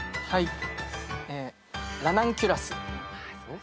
はい。